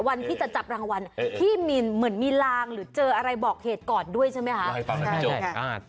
วันที่จะจับรางวัลพี่มินเหมือนมีลางหรือเจออะไรบอกเหตุก่อนด้วยใช่ไหมคะ